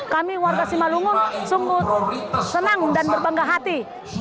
kami warga simalungun sungguh senang dan berbangga hati